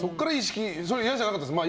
嫌じゃなかったですか